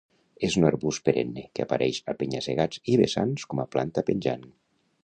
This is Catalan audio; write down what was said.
És un arbust perenne que apareix a penya-segats i vessants com a planta penjant.